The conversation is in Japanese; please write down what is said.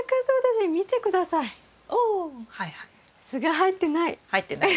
すが入ってない。